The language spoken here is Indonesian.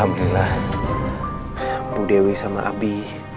alhamdulillah bu dewi sama abi